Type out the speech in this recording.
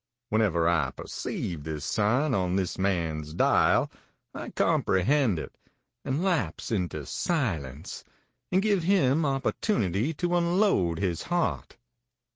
Whenever I perceive this sign on this man's dial, I comprehend it, and lapse into silence, and give him opportunity to unload his heart.